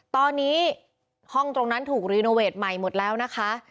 ตอนนี้ห้องตรงนั้นถูกรีโนเวทใหม่หมดแล้วนะคะ